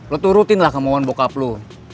lo turutin lah kemohon bokap lo